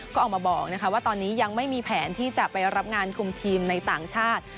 ก็ออกมาบอกว่าตอนนี้ยังไม่มีแผนที่จะไปรับงานคุมทีมในต่างชาติ